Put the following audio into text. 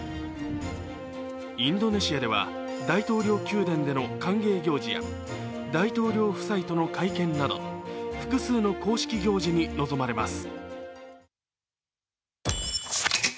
インドネシアでは、大統領宮殿での歓迎行事や大統領夫妻との会見など複数の公式行事に臨まれます。